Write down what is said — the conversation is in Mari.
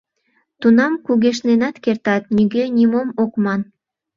Тунам кугешненат кертат, нигӧ нимом ок ман!